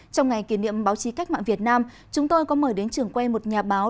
trong ngày kỷ niệm báo chí cách mạng việt nam chúng tôi có mời đến trường quay một nhà báo